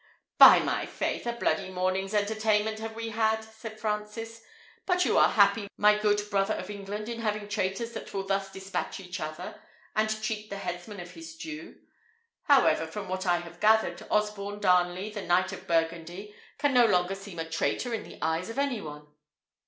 "By my faith! a bloody morning's entertainment have we had," said Francis. "But you are happy, my good brother of England, in having traitors that will thus despatch each other, and cheat the headsman of his due. However, from what I have gathered, Osborne Darnley, the Knight of Burgundy, can no longer seem a traitor in the eyes of any one."